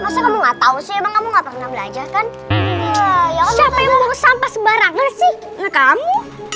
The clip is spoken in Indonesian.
siapa yang mau sampah sebarang nasi kamu